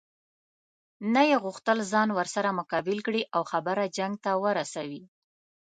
نه یې غوښتل ځان ورسره مقابل کړي او خبره جنګ ته ورسوي.